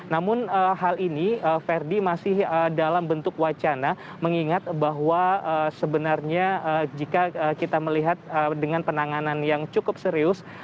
namun hal ini ferdi masih dalam bentuk wacana mengingat bahwa sebenarnya jika kita melihat dengan penanganan yang cukup serius